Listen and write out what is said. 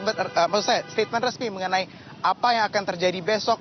maksud saya statement resmi mengenai apa yang akan terjadi besok